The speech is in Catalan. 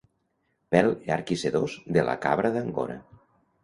Pèl llarg i sedós de la cabra d'Angora.